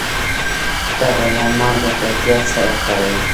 ټبیايان مالګه په احتیاط سره کاروي.